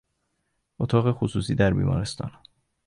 اتاق خصوصی در بیمارستان